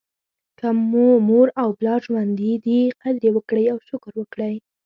که مو مور او پلار ژوندي دي قدر یې وکړئ او شکر وکړئ.